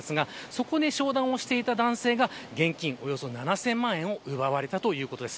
そこで商談をしていた男性が現金７０００万円を奪われたということです。